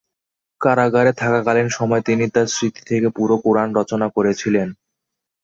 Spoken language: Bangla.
কারাগারে থাকাকালীন সময়ে তিনি তার স্মৃতি থেকে পুরো কুরআন রচনা করেছিলেন।